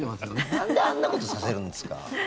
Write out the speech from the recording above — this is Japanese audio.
なんであんなことさせるんですか。